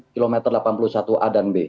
kilometer delapan puluh satu a dan b